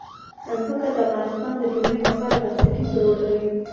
ځمکه د افغانستان د ټولنې لپاره بنسټيز رول لري.